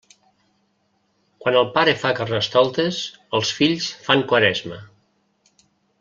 Quan el pare fa Carnestoltes, els fills fan Quaresma.